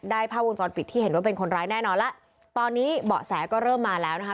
ภาพวงจรปิดที่เห็นว่าเป็นคนร้ายแน่นอนแล้วตอนนี้เบาะแสก็เริ่มมาแล้วนะคะ